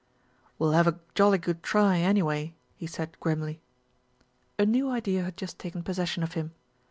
"We'll have a jolly good try, anyway," he said grimly. A new idea had just taken possession of him.